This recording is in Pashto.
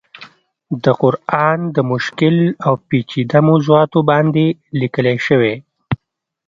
د قرآن د مشکل او پيچيده موضوعاتو باندې ليکلی شوی